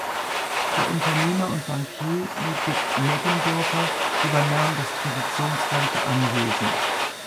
Der Unternehmer und Bankier Ludwig Meggendorfer übernahm das traditionsreiche Anwesen.